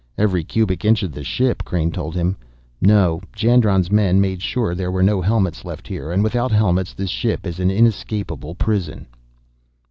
"Every cubic inch of the ship," Crain told him. "No, Jandron's men made sure there were no helmets left here, and without helmets this ship is an inescapable prison."